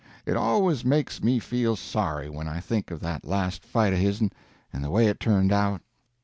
It always makes me feel sorry when I think of that last fight of his'n, and the way it turned out.